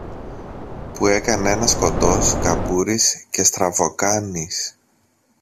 που έκανε ένας κοντός, καμπούρης και στραβοκάνης.